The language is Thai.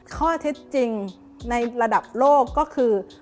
ข้อเท็จจริงในระดับโลกก็คือ